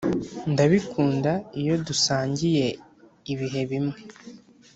ndabikunda iyo dusangiye ibihe bimwe